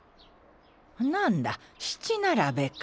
何だ七並べか。